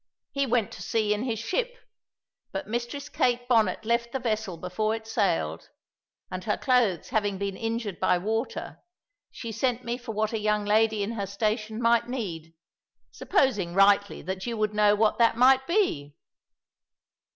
He went to sea in his ship, but Mistress Kate Bonnet left the vessel before it sailed, and her clothes having been injured by water, she sent me for what a young lady in her station might need, supposing rightly that you would know what that might be."